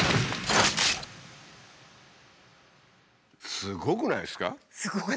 すごくないですか。